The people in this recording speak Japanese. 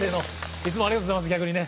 いつもありがとうございます逆にね。